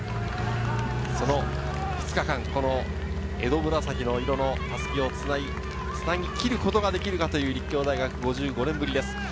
２日間、江戸紫の色の襷をつなぎきることができるかという立教大学、５５年ぶりです。